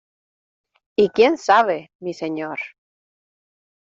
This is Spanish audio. ¡ y quién sabe, mi señor!...